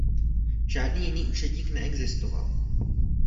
Žádný jiný učedník neexistoval.